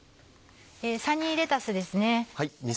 サニーレタスですね。